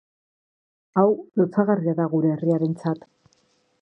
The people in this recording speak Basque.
Hau lotsagarria da gure herriarentzat.